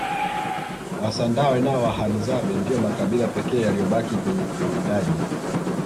wasandawe na wahadzabe ndiyo makabila pekee yaliyobakia kwenye uwindaji